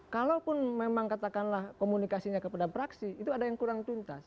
kalaupun memang katakanlah komunikasinya kepada praksi itu ada yang kurang tuntas